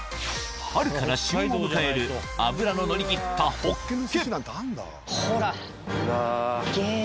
春から旬を迎える脂ののり切ったホッケほら。